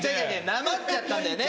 なまっちゃったんだよね？